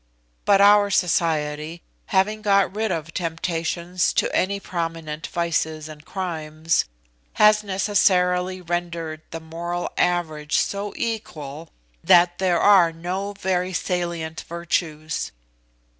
But our society, having got rid of temptations to any prominent vices and crimes, has necessarily rendered the moral average so equal, that there are no very salient virtues.